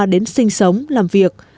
đến sinh sống làm việc